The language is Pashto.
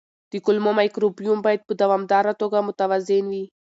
د کولمو مایکروبیوم باید په دوامداره توګه متوازن وي.